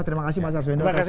terima kasih mas arzuwindo